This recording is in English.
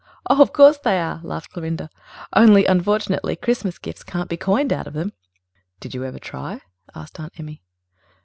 "Of course they are," laughed Clorinda. "Only, unfortunately, Christmas gifts can't be coined out of them." "Did you ever try?" asked Aunt Emmy.